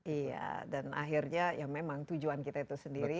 iya dan akhirnya ya memang tujuan kita itu sendiri